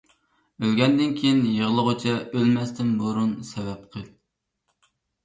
ئۆلگەندىن كىيىن يىغلىغۇچە، ئۆلمەستىن بۇرۇن سەۋەب قىل.